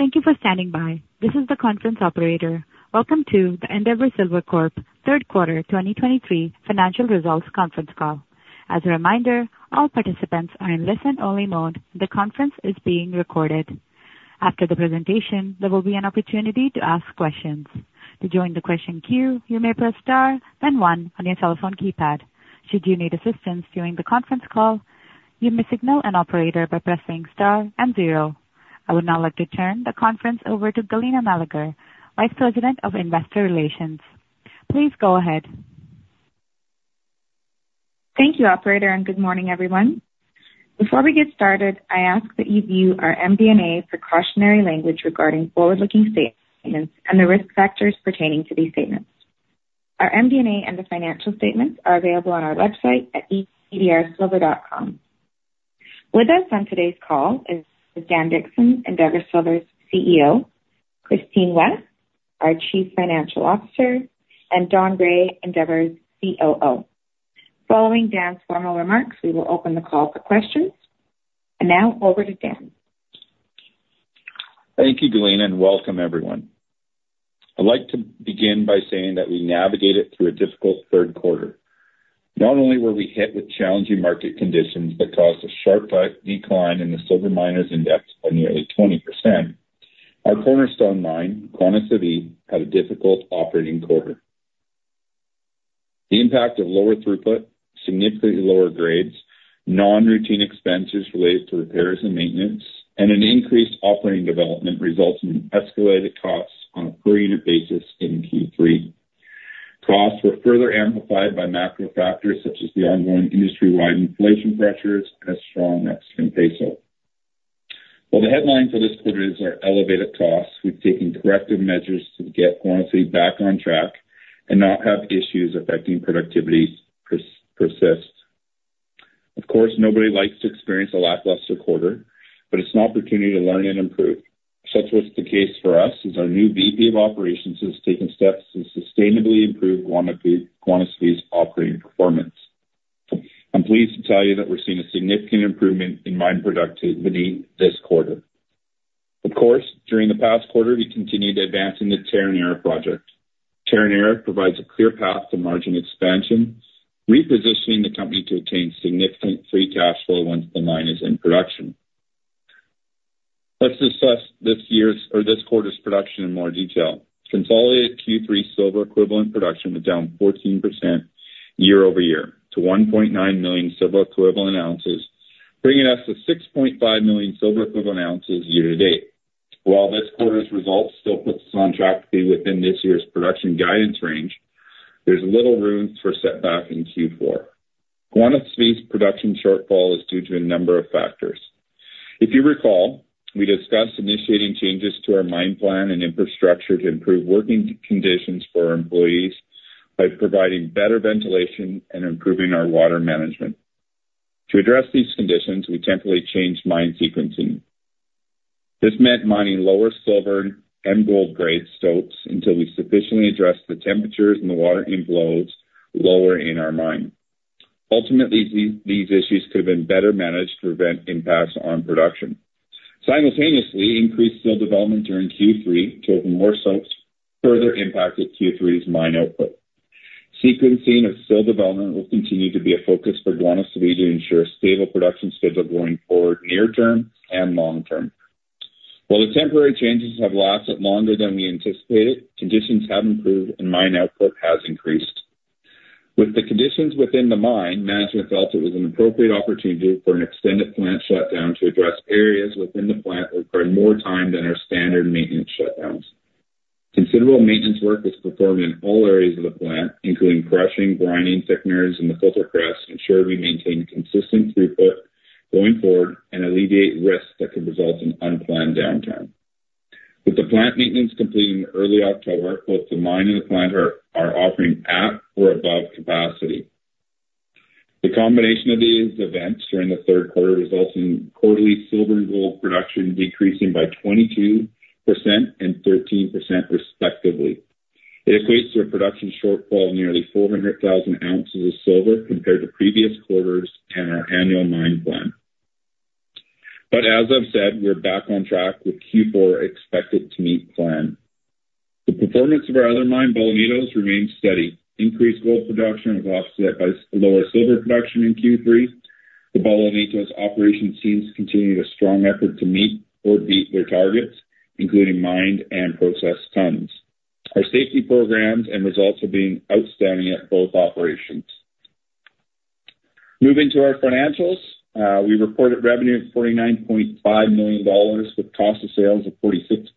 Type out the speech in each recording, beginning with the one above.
Thank you for standing by. This is the conference operator. Welcome to the Endeavour Silver Corp Third Quarter 2023 Financial Results Conference Call. As a reminder, all participants are in listen-only mode. The conference is being recorded. After the presentation, there will be an opportunity to ask questions. To join the question queue, you may press star then one on your telephone keypad. Should you need assistance during the conference call, you may signal an operator by pressing star and zero. I would now like to turn the conference over to Galina Meleger, Vice President, Investor Relations. Please go ahead. Thank you, operator, and good morning, everyone. Before we get started, I ask that you view our MD&A precautionary language regarding forward-looking statements and the risk factors pertaining to these statements. Our MD&A and the financial statements are available on our website at edrsilver.com. With us on today's call is Dan Dickson, Endeavour Silver's CEO, Christine West, our Chief Financial Officer, and Don Gray, Endeavour's COO. Following Dan's formal remarks, we will open the call for questions. Now over to Dan. Thank you, Galina, and welcome everyone. I'd like to begin by saying that we navigated through a difficult third quarter. Not only were we hit with challenging market conditions that caused a sharp decline in the silver miners index by nearly 20%, our cornerstone mine, Guanaceví, had a difficult operating quarter. The impact of lower throughput, significantly lower grades, non-routine expenses related to repairs and maintenance, and an increased operating development resulted in escalated costs on a per unit basis in Q3. Costs were further amplified by macro factors such as the ongoing industry-wide inflation pressures and a strong Mexican peso. While the headline for this quarter is our elevated costs, we've taken corrective measures to get Guanaceví back on track and not have issues affecting productivity persist. Of course, nobody likes to experience a lackluster quarter, but it's an opportunity to learn and improve. Such was the case for us, as our new VP of Operations has taken steps to sustainably improve Guanaceví's operating performance. I'm pleased to tell you that we're seeing a significant improvement in mine productivity this quarter. Of course, during the past quarter, we continued advancing the Terronera project. Terronera provides a clear path to margin expansion, repositioning the company to attain significant free cash flow once the mine is in production. Let's discuss this year's or this quarter's production in more detail. Consolidated Q3 silver equivalent production was down 14% year-over-year to 1.9 million silver equivalent ounces, bringing us to 6.5 million silver equivalent ounces year to date. While this quarter's results still puts us on track to be within this year's production guidance range, there's little room for setback in Q4. Guanaceví's production shortfall is due to a number of factors. If you recall, we discussed initiating changes to our mine plan and infrastructure to improve working conditions for our employees by providing better ventilation and improving our water management. To address these conditions, we temporarily changed mine sequencing. This meant mining lower silver and gold grade stopes until we sufficiently addressed the temperatures and the water inflows lower in our mine. Ultimately, these issues could have been better managed to prevent impacts on production. Simultaneously, increased stope development during Q3 to open more stopes further impacted Q3's mine output. Sequencing of stope development will continue to be a focus for Guanaceví to ensure a stable production schedule going forward, near term and long term. While the temporary changes have lasted longer than we anticipated, conditions have improved and mine output has increased. With the conditions within the mine, management felt it was an appropriate opportunity for an extended plant shutdown to address areas within the plant that required more time than our standard maintenance shutdowns. Considerable maintenance work was performed in all areas of the plant, including crushing, grinding, thickeners, and the filter press to ensure we maintain consistent throughput going forward and alleviate risks that could result in unplanned downtime. With the plant maintenance completing in early October, both the mine and the plant are operating at or above capacity. The combination of these events during the third quarter results in quarterly silver and gold production decreasing by 22% and 13%, respectively. It equates to a production shortfall of nearly 400,000 ounces of silver compared to previous quarters and our annual mine plan. But as I've said, we're back on track with Q4 expected to meet plan. The performance of our other mine, Bolañitos, remains steady. Increased gold production was offset by lower silver production in Q3. The Bolañitos operation seems to continue a strong effort to meet or beat their targets, including mine and process tons. Our safety programs and results are being outstanding at both operations. Moving to our financials, we reported revenue of $49.5 million, with cost of sales of $46.7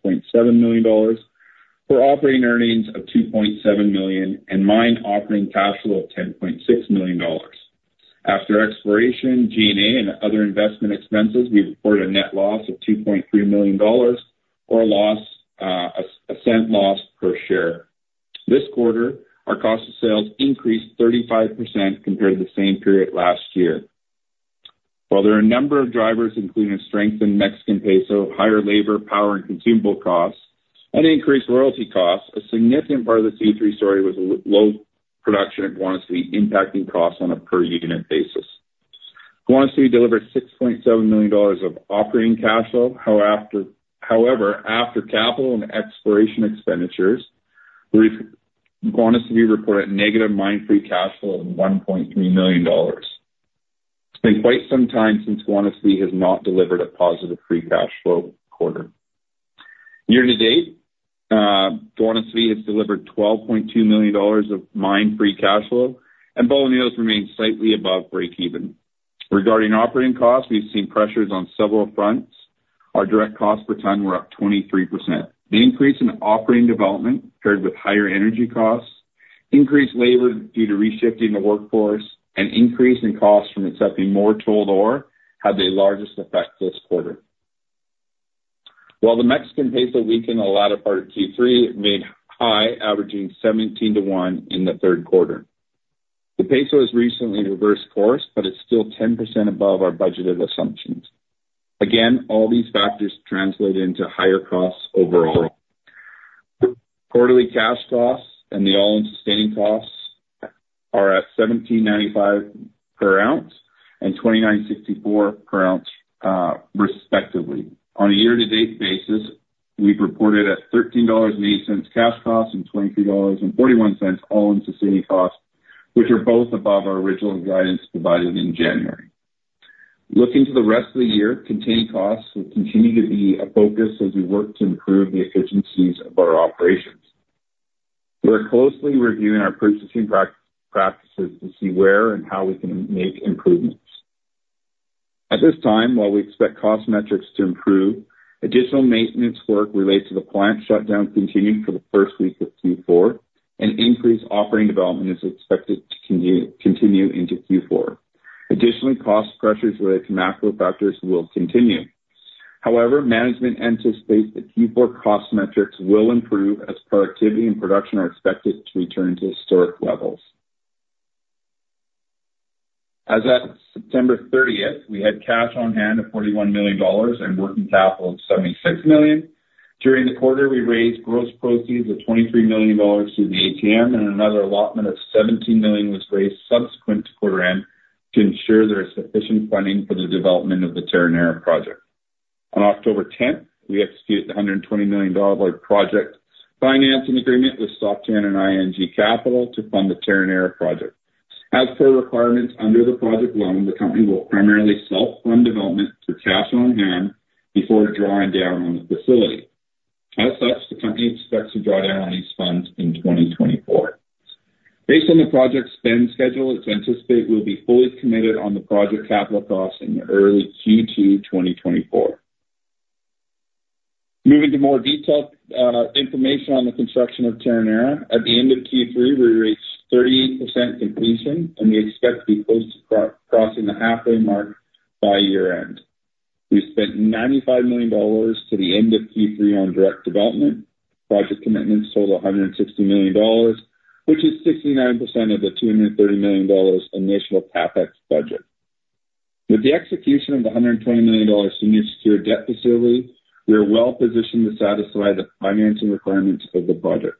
million, for operating earnings of $2.7 million and mine operating cash flow of $10.6 million. After exploration, G&A and other investment expenses, we reported a net loss of $2.3 million or a $0.01 loss per share. This quarter, our cost of sales increased 35% compared to the same period last year. While there are a number of drivers, including a strengthened Mexican peso, higher labor, power, and consumable costs, and increased royalty costs, a significant part of the Q3 story was low production at Guanaceví, impacting costs on a per unit basis. Guanaceví delivered $6.7 million of operating cash flow. However, after capital and exploration expenditures, Guanaceví reported negative mine free cash flow of $1.3 million. It's been quite some time since Guanaceví has not delivered a positive free cash flow quarter. Year to date, Guanaceví has delivered $12.2 million of mine free cash flow, and Bolañitos remains slightly above breakeven. Regarding operating costs, we've seen pressures on several fronts. Our direct costs per ton were up 23%. The increase in operating development, paired with higher energy costs, increased labor due to re-shifting the workforce, and increase in costs from accepting more tolled ore, had the largest effect this quarter. While the Mexican peso weakened in the latter part of Q3, it made high, averaging 17 to 1 in the third quarter. The peso has recently reversed course, but it's still 10% above our budgeted assumptions. Again, all these factors translate into higher costs overall. Quarterly cash costs and the all-in sustaining costs are at $1,795 per ounce and $2,964 per ounce, respectively. On a year-to-date basis, we've reported a $13.08 cash cost and $23.41 all-in sustaining costs, which are both above our original guidance provided in January. Looking to the rest of the year, containing costs will continue to be a focus as we work to improve the efficiencies of our operations. We're closely reviewing our purchasing practices to see where and how we can make improvements. At this time, while we expect cost metrics to improve, additional maintenance work related to the plant shutdown continued for the first week of Q4, and increased operating development is expected to continue into Q4. Additionally, cost pressures related to macro factors will continue. However, management anticipates that Q4 cost metrics will improve as productivity and production are expected to return to historic levels. As at September 30, we had cash on hand of $41 million and working capital of $76 million. During the quarter, we raised gross proceeds of $23 million through the ATM, and another allotment of $17 million was raised subsequent to quarter end to ensure there is sufficient funding for the development of the Terronera project. On October tenth, we executed the $120 million project financing agreement with Scotiabank and ING Capital to fund the Terronera project. As per requirements under the project loan, the company will primarily self-fund development to cash on hand before drawing down on the facility. As such, the company expects to draw down on these funds in 2024. Based on the project's spend schedule, it's anticipated we'll be fully committed on the project capital costs in the early Q2 2024. Moving to more detailed information on the construction of Terronera. At the end of Q3, we reached 38% completion, and we expect to be close to crossing the halfway mark by year end. We've spent $95 million to the end of Q3 on direct development. Project commitments total $160 million, which is 69% of the $230 million initial CapEx budget. With the execution of the $120 million senior secured debt facility, we are well positioned to satisfy the financing requirements of the project.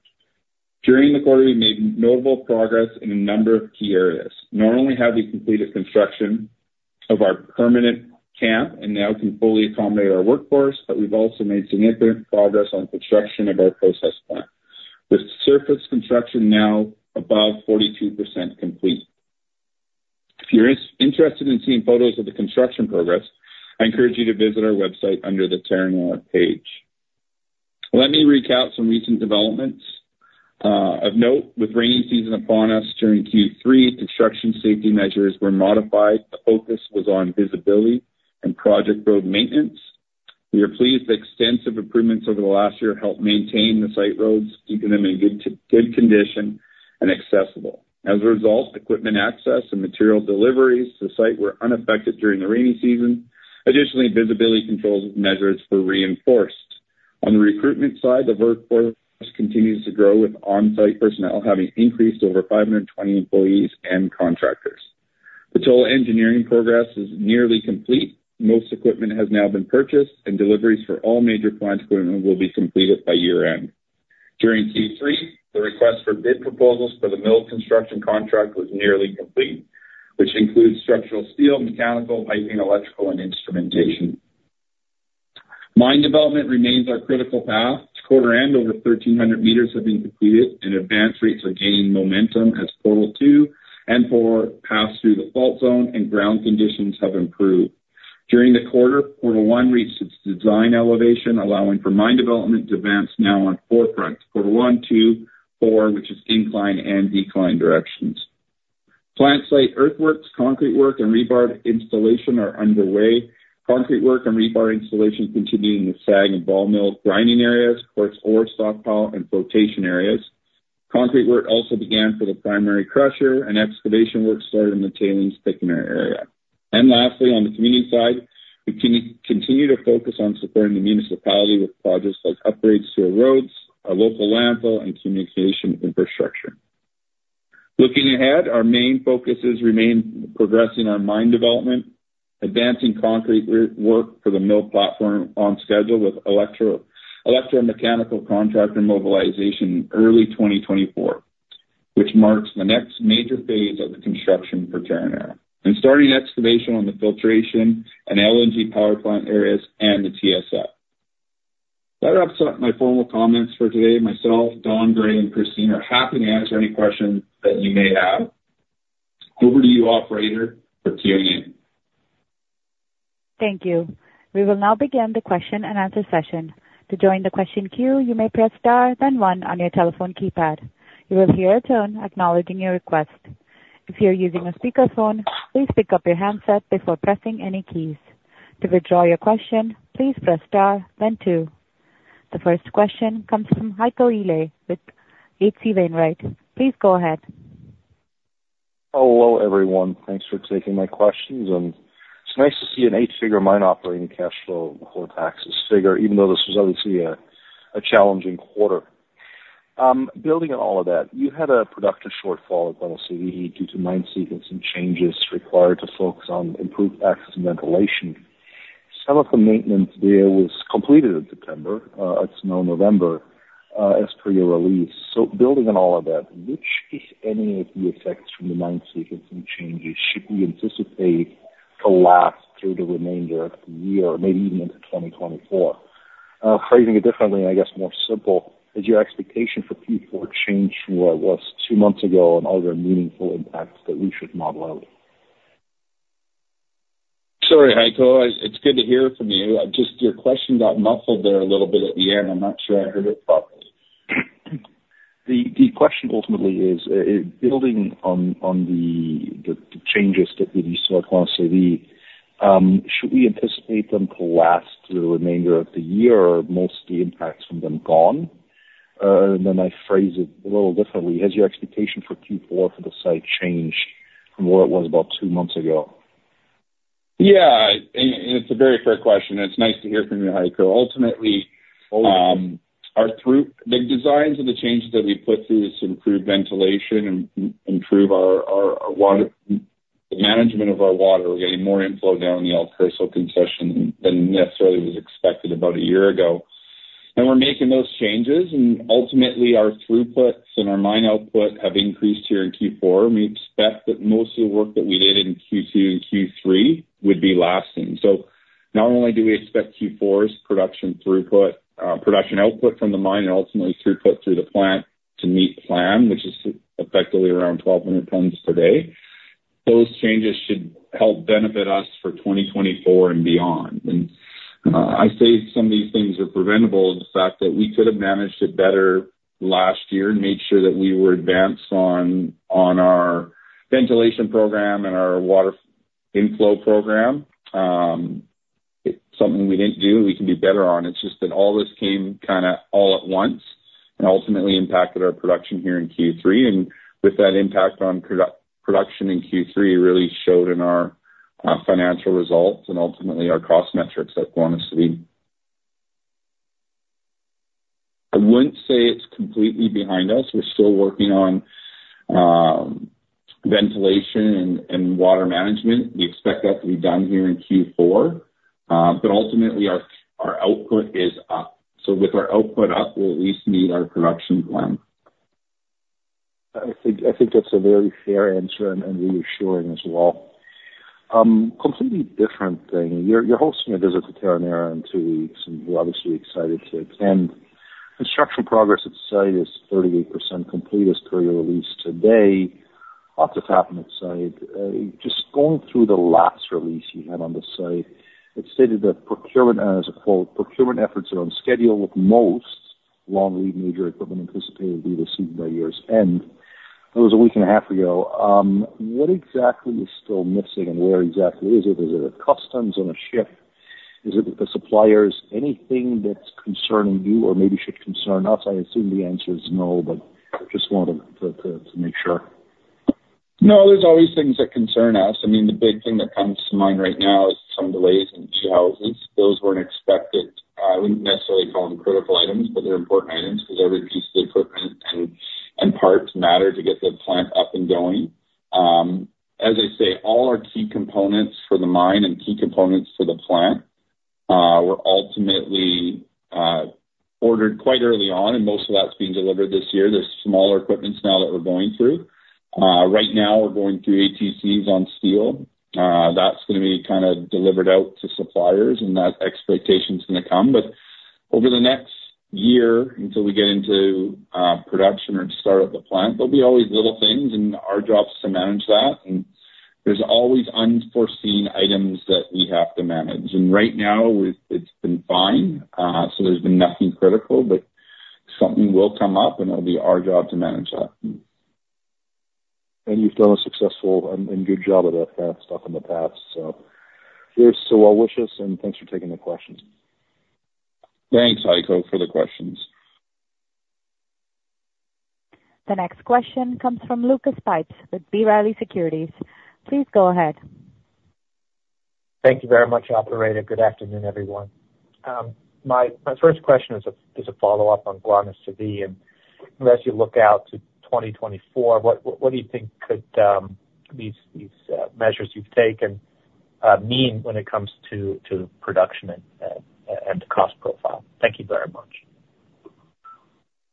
During the quarter, we made notable progress in a number of key areas. Not only have we completed construction of our permanent camp and now can fully accommodate our workforce, but we've also made significant progress on construction of our process plant, with surface construction now above 42% complete. If you're interested in seeing photos of the construction progress, I encourage you to visit our website under the Terronera page. Let me recap some recent developments. Of note, with rainy season upon us, during Q3, construction safety measures were modified. The focus was on visibility and project road maintenance. We are pleased that extensive improvements over the last year helped maintain the site roads, keeping them in good good condition and accessible. As a result, equipment access and material deliveries to the site were unaffected during the rainy season. Additionally, visibility control measures were reinforced. On the recruitment side, the workforce continues to grow, with on-site personnel having increased over 520 employees and contractors. The total engineering progress is nearly complete. Most equipment has now been purchased, and deliveries for all major plant equipment will be completed by year-end. During Q3, the request for bid proposals for the mill construction contract was nearly complete, which includes structural, steel, mechanical, piping, electrical, and instrumentation. Mine development remains our critical path. Quarter end, over 1,300 meters have been completed, and advance rates are gaining momentum as portal 2 and 4 pass through the fault zone and ground conditions have improved. During the quarter, portal 1 reached its design elevation, allowing for mine development to advance now on four front, portal 1, 2, 4, which is incline and decline directions. Plant site earthworks, concrete work, and rebar installation are underway. Concrete work and rebar installation continuing with SAG and ball mill grinding areas, coarse ore stockpile and flotation areas. Concrete work also began for the primary crusher and excavation work started in the tailings thickener area. And lastly, on the community side, we continue to focus on supporting the municipality with projects like upgrades to our roads, our local landfill, and communication infrastructure. Looking ahead, our main focuses remain progressing our mine development, advancing concrete work for the mill platform on schedule with electromechanical contractor mobilization early 2024, which marks the next major phase of the construction for Terronera, and starting excavation on the filtration and LNG power plant areas and the TSF. That wraps up my formal comments for today. Myself, Don Gray, and Christine are happy to answer any questions that you may have. Over to you, operator, for Q&A. Thank you. We will now begin the question-and-answer session. To join the question queue, you may press star then one on your telephone keypad. You will hear a tone acknowledging your request. If you're using a speakerphone, please pick up your handset before pressing any keys. To withdraw your question, please press star then two. The first question comes from Heiko Ihle with H.C. Wainwright. Please go ahead. Hello, everyone. Thanks for taking my questions, and it's nice to see an eight-figure mine operating cash flow before taxes figure, even though this was obviously a challenging quarter. Building on all of that, you had a productive shortfall at Guanaceví due to mine sequence and changes required to focus on improved access and ventilation. Some of the maintenance there was completed in September. It's now November, as per your release. So building on all of that, which, if any, of the effects from the mine sequence and changes should we anticipate to last through the remainder of the year, maybe even into 2024? Phrasing it differently, and I guess more simple, has your expectation for Q4 changed from what it was two months ago, and are there meaningful impacts that we should model out? Sorry, Heiko, it's, it's good to hear from you. Just your question got muffled there a little bit at the end. I'm not sure I heard it properly. The question ultimately is, building on the changes that we saw at Guanaceví, should we anticipate them to last through the remainder of the year, or are most of the impacts from them gone? And then I phrase it a little differently: Has your expectation for Q4 for the site changed from where it was about two months ago? Yeah, and it's a very fair question, and it's nice to hear from you, Heiko. Ultimately, the designs of the changes that we put through is to improve ventilation and improve our water, the management of our water. We're getting more inflow down in the El Cerro concession than necessarily was expected about a year ago. And we're making those changes, and ultimately, our throughputs and our mine output have increased here in Q4. We expect that most of the work that we did in Q2 and Q3 would be lasting. So not only do we expect Q4's production throughput, production output from the mine and ultimately throughput through the plant to meet plan, which is effectively around 1,200 tons today, those changes should help benefit us for 2024 and beyond. I say some of these things are preventable, and the fact that we could have managed it better last year and made sure that we were advanced on our ventilation program and our water inflow program, it's something we didn't do, and we can do better on. It's just that all this came kind of all at once and ultimately impacted our production here in Q3. With that impact on production in Q3, really showed in our financial results and ultimately our cost metrics at Guanaceví. I wouldn't say it's completely behind us. We're still working on ventilation and water management. We expect that to be done here in Q4. But ultimately our output is up. So with our output up, we'll at least meet our production plan. I think, I think that's a very fair answer and, and reassuring as well. Completely different thing. You're, you're hosting a visit to Terronera in two weeks, and we're obviously excited to attend. Construction progress at site is 38% complete as per your release today. Lot to happen at site. Just going through the last release you had on the site, it stated that procurement, as a quote, procurement efforts are on schedule with most long-lead major equipment anticipated to be received by year's end. That was a week and a half ago. What exactly is still missing, and where exactly is it? Is it at customs on a ship? Is it with the suppliers? Anything that's concerning you or maybe should concern us? I assume the answer is no, but just wanted to, to, to make sure. No, there's always things that concern us. I mean, the big thing that comes to mind right now is some delays in key houses. Those weren't expected. I wouldn't necessarily call them critical items, but they're important items because every piece of equipment and, and parts matter to get the plant up and going. As I say, all our key components for the mine and key components for the plant were ultimately ordered quite early on, and most of that's being delivered this year. There's smaller equipments now that we're going through. Right now, we're going through ATCs on steel. That's gonna be kind of delivered out to suppliers, and that expectation's gonna come. Over the next year, until we get into production or start up the plant, there'll be all these little things, and our job is to manage that, and there's always unforeseen items that we have to manage. Right now, it's been fine. There's been nothing critical, but something will come up, and it'll be our job to manage that. You've done a successful and good job at that kind of stuff in the past. Here's to our wishes, and thanks for taking the questions. Thanks, Heiko, for the questions. The next question comes from Lucas Pipes with B. Riley Securities. Please go ahead. Thank you very much, operator. Good afternoon, everyone. My first question is a follow-up on Guanaceví, and as you look out to 2024, what do you think could these measures you've taken mean when it comes to production and. [inaudible] Thank you very much.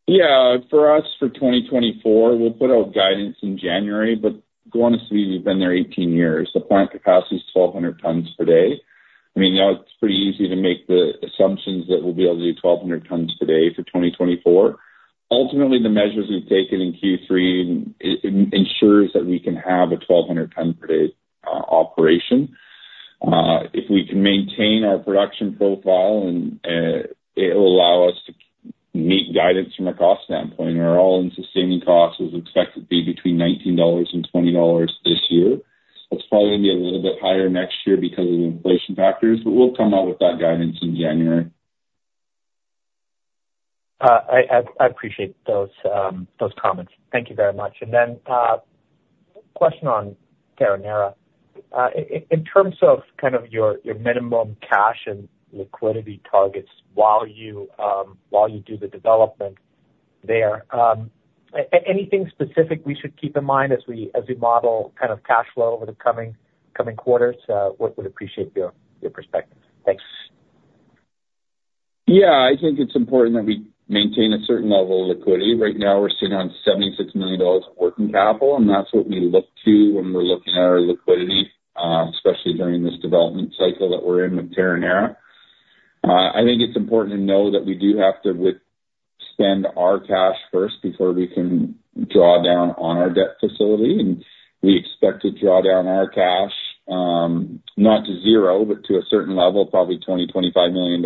Yeah, for us, for 2024, we'll put out guidance in January, but go on to see, we've been there 18 years. The plant capacity is 1,200 tons per day. I mean, now it's pretty easy to make the assumptions that we'll be able to do 1,200 tons today for 2024. Ultimately, the measures we've taken in Q3, it ensures that we can have a 1,200 ton per day operation. If we can maintain our production profile and, it'll allow us to meet guidance from a cost standpoint, our all-in sustaining cost is expected to be between $19 and $20 this year. It's probably going to be a little bit higher next year because of the inflation factors, but we'll come out with that guidance in January. I appreciate those comments. Thank you very much. And then, question on Terronera. In terms of kind of your minimum cash and liquidity targets while you do the development there, anything specific we should keep in mind as we model kind of cash flow over the coming quarters? We would appreciate your perspective. Thanks. Yeah, I think it's important that we maintain a certain level of liquidity. Right now, we're sitting on $76 million of working capital, and that's what we look to when we're looking at our liquidity, especially during this development cycle that we're in with Terronera. I think it's important to know that we do have to spend our cash first before we can draw down on our debt facility, and we expect to draw down our cash, not to zero, but to a certain level, probably $20 million-$25 million,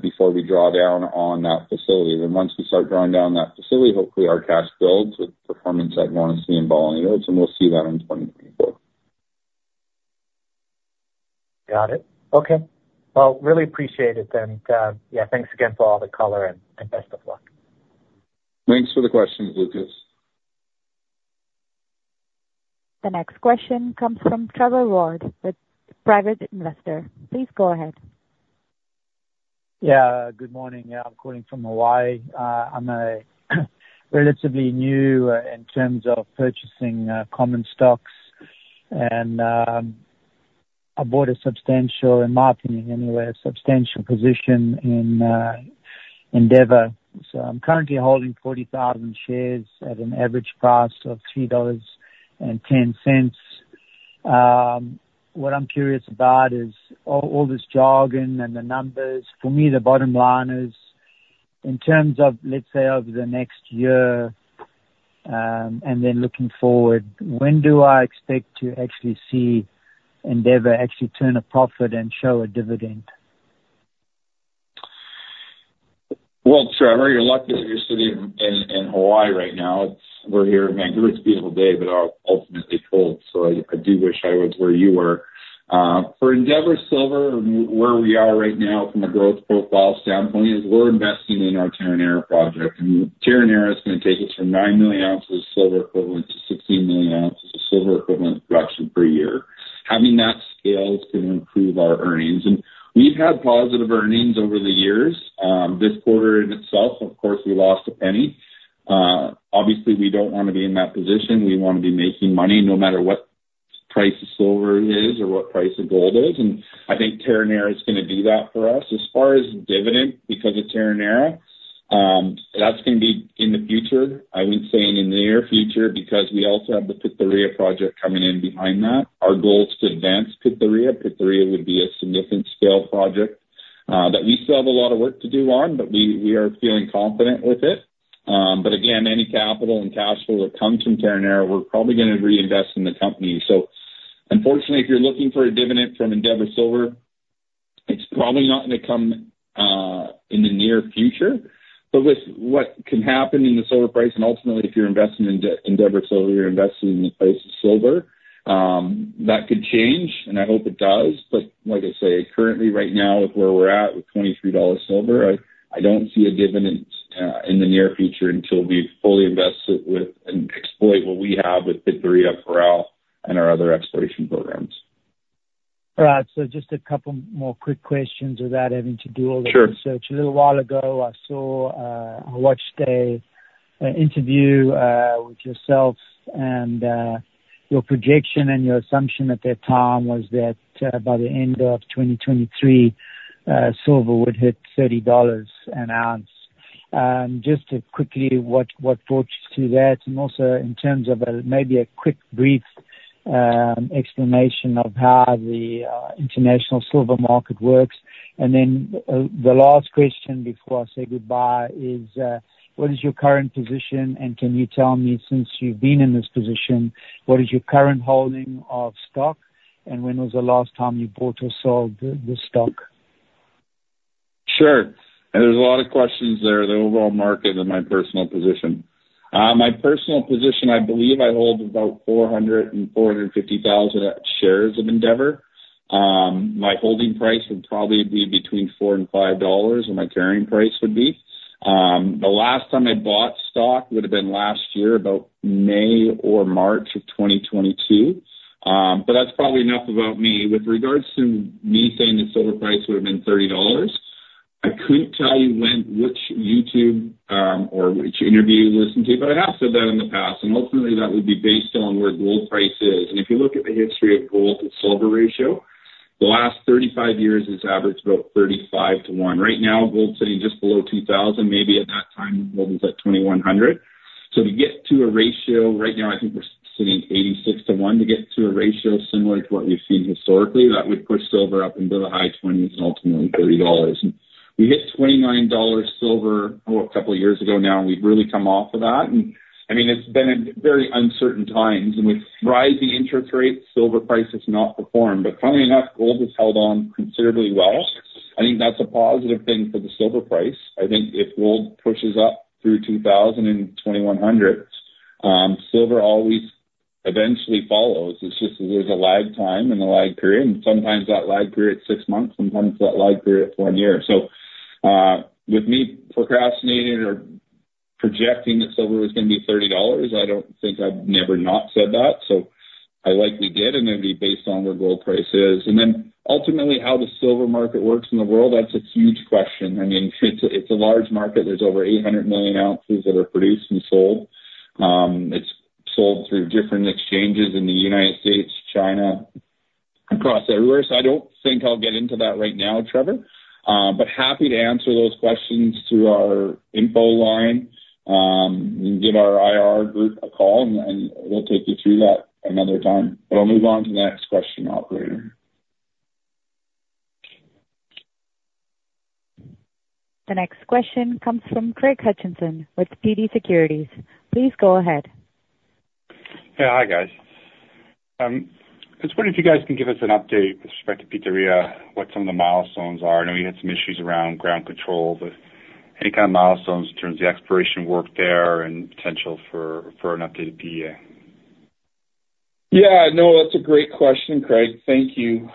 before we draw down on that facility. Then once we start drawing down that facility, hopefully our cash builds with performance at Guanaceví and Bolañitos, and we'll see that in 2024. Got it. Okay. Well, really appreciate it then. Yeah, thanks again for all the color and best of luck. Thanks for the questions, Lucas. The next question comes from Trevor Ward with private investor. Please go ahead. Yeah, good morning. I'm calling from Hawaii. I'm a relatively new in terms of purchasing common stocks and I bought a substantial, in my opinion anyway, a substantial position in Endeavour. So I'm currently holding 40,000 shares at an average price of $3.10. What I'm curious about is all, all this jargon and the numbers. For me, the bottom line is, in terms of, let's say, over the next year and then looking forward, when do I expect to actually see Endeavour actually turn a profit and show a dividend? Well, Trevor, you're lucky that you're sitting in Hawaii right now. It's, we're here in Vancouver. It's a beautiful day, but ultimately cold, so I do wish I was where you were. For Endeavour Silver, where we are right now from a growth profile standpoint, is we're investing in our Terronera project, and Terronera is gonna take us from 9 million ounces of silver equivalent to 16 million ounces of silver equivalent production per year. Having that scale is going to improve our earnings, and we've had positive earnings over the years. This quarter in itself, of course, we lost $0.01. Obviously, we don't want to be in that position. We want to be making money no matter what price of silver is or what price of gold is, and I think Terronera is gonna do that for us. As far as dividend, because of Terronera, that's gonna be in the future. I wouldn't say in the near future, because we also have the Pitarrilla project coming in behind that. Our goal is to advance Pitarrilla. Pitarrilla would be a significant scale project that we still have a lot of work to do on, but we are feeling confident with it. But again, any capital and cash flow that comes from Terronera, we're probably gonna reinvest in the company. So unfortunately, if you're looking for a dividend from Endeavour Silver, it's probably not gonna come in the near future. But with what can happen in the silver price, and ultimately, if you're investing in Endeavour Silver, you're investing in the price of silver, that could change, and I hope it does. Like I say, currently, right now, with where we're at with $23 silver, I don't see a dividend in the near future until we've fully invested with and exploit what we have with Pitarrilla, Parral, and our other exploration programs. All right, so just a couple more quick questions without having to do all the- Sure. A little while ago, I saw, I watched a, an interview, with yourselves, and, your projection and your assumption at that time was that, by the end of 2023, silver would hit $30 an ounce. Just to quickly, what, what brought you to that? And also in terms of a, maybe a quick, brief, explanation of how the, international silver market works. And then, the last question before I say goodbye is, what is your current position, and can you tell me, since you've been in this position, what is your current holding of stock, and when was the last time you bought or sold the, the stock? Sure. There's a lot of questions there, the overall market and my personal position. My personal position, I believe I hold about 450,000 shares of Endeavour. My holding price would probably be between $4 and $5, and my carrying price would be. The last time I bought stock would have been last year, about May or March of 2022. But that's probably enough about me. With regards to me saying the silver price would have been $30, I couldn't tell you when, which interview you listen to, but I have said that in the past, and ultimately that would be based on where gold price is. And if you look at the history of gold and silver ratio, the last 35 years has averaged about 35-to-1. Right now, gold sitting just below 2000, maybe at that time, gold was at 2100. So to get to a ratio right now, I think we're sitting 86-to-1, to get to a ratio similar to what we've seen historically, that would push silver up into the high 20s and ultimately $30. And we hit $29 silver, oh, a couple of years ago now, and we've really come off of that. And I mean, it's been a very uncertain times, and with rising interest rates, silver price has not performed. But funny enough, gold has held on considerably well. I think that's a positive thing for the silver price. I think if gold pushes up through 2000 and 2100, silver always eventually follows. It's just there's a lag time and a lag period, and sometimes that lag period is six months, sometimes that lag period is one year. So, with me procrastinating or projecting that silver was gonna be $30, I don't think I've never not said that. So I likely get, and it'd be based on where gold price is, and then ultimately how the silver market works in the world, that's a huge question. I mean, it's, it's a large market. There's over 800 million ounces that are produced and sold. It's sold through different exchanges in the United States, China, across everywhere. So I don't think I'll get into that right now, Trevor, but happy to answer those questions through our info line. Give our IR group a call, and, and we'll take you through that another time. I'll move on to the next question, operator. The next question comes from Craig Hutchison with TD Securities. Please go ahead. Yeah. Hi, guys. I was wondering if you guys can give us an update with respect to Pitarrilla, what some of the milestones are. I know you had some issues around ground control, but any kind of milestones in terms of the exploration work there and potential for an updated PEA? Yeah, no, that's a great question, Craig. Thank you.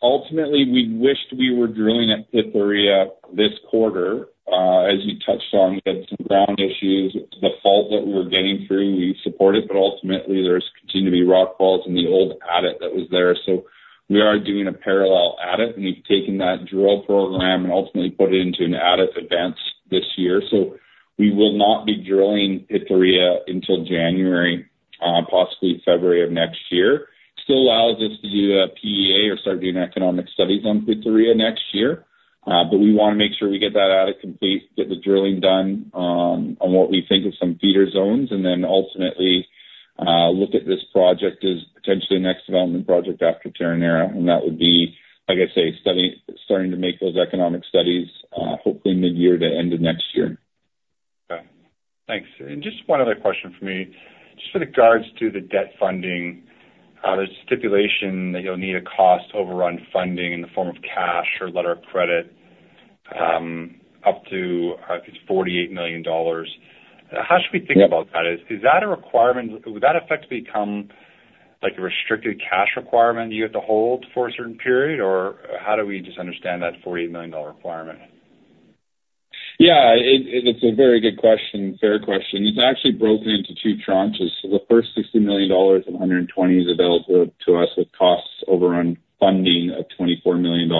Ultimately, we wished we were drilling at Pitarrilla this quarter. As you touched on, we had some ground issues. The fault that we were getting through, we support it, but ultimately there's continue to be rock falls in the old adit that was there. So we are doing a parallel adit, and we've taken that drill program and ultimately put it into an adit event this year. So we will not be drilling Pitarrilla until January, possibly February of next year. Still allows us to do a PEA or start doing economic studies on Pitarrilla next year. But we want to make sure we get that adit complete, get the drilling done, on what we think of some feeder zones, and then ultimately, look at this project as potentially the next development project after Terronera. And that would be, like I say, starting to make those economic studies, hopefully midyear to end of next year. Okay. Thanks. And just one other question for me. Just with regards to the debt funding, the stipulation that you'll need a cost overrun funding in the form of cash or letter of credit, up to, I think, $48 million. How should we think about that? Is that a requirement? Would that effectively become like a restricted cash requirement you have to hold for a certain period, or how do we just understand that $48 million requirement? Yeah, it, it's a very good question. Fair question. It's actually broken into two tranches. So the first $60 million of $120 million is available to us with cost overrun funding of $24 million.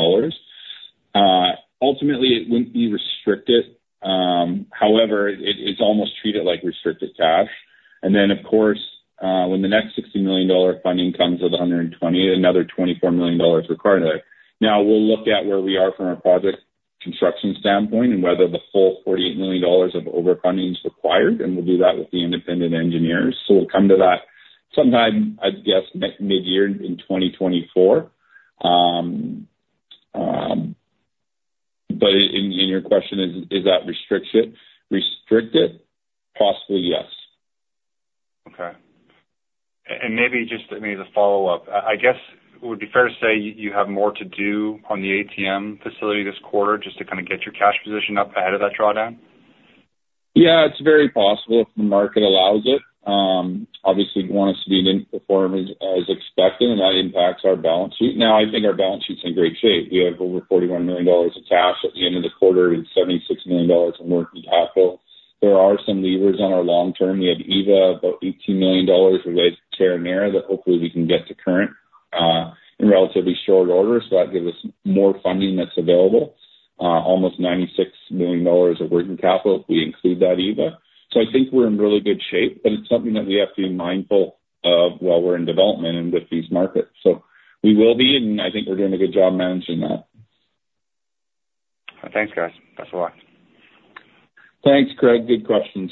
Ultimately, it wouldn't be restricted. However, it's almost treated like restricted cash. And then, of course, when the next $60 million funding comes of the $120 million, another $24 million required there. Now, we'll look at where we are from a project construction standpoint and whether the full $48 million of overfunding is required, and we'll do that with the independent engineers. So we'll come to that sometime, I'd guess, mid-2024. But in your question, is that restricted? Possibly, yes. Okay. And maybe just maybe to follow up, I guess, would it be fair to say you have more to do on the ATM facility this quarter just to kind of get your cash position up ahead of that drawdown? Yeah, it's very possible if the market allows it. Obviously, we want us to be in performance as expected, and that impacts our balance sheet. Now, I think our balance sheet's in great shape. We have over $41 million of cash at the end of the quarter and $76 million in working capital. There are some levers on our long term. We have IVA, about $18 million, related to Terronera, that hopefully we can get to current, in relatively short order. So that gives us more funding that's available. Almost $96 million of working capital if we include that IVA. So I think we're in really good shape, but it's something that we have to be mindful of while we're in development and with these markets. So we will be, and I think we're doing a good job managing that. Thanks, guys. Thanks a lot. Thanks, Craig. Good questions.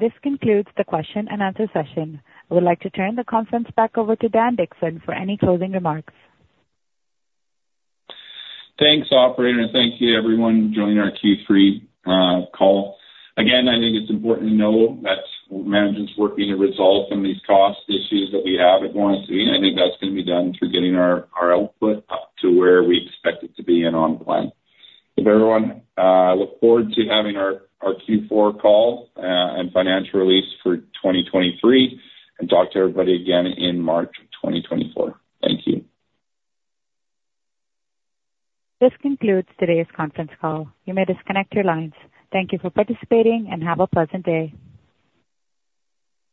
This concludes the question and answer session. I would like to turn the conference back over to Dan Dickson for any closing remarks. Thanks, operator, and thank you everyone who joined our Q3 call. Again, I think it's important to know that management's working to resolve some of these cost issues that we have at Guanaceví. I think that's going to be done through getting our, our output up to where we expect it to be and on plan. So everyone, I look forward to having our, our Q4 call, and financial release for 2023, and talk to everybody again in March of 2024. Thank you. This concludes today's conference call. You may disconnect your lines. Thank you for participating, and have a pleasant day.